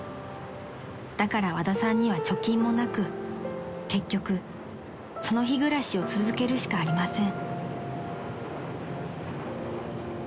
［だから和田さんには貯金もなく結局その日暮らしを続けるしかありません］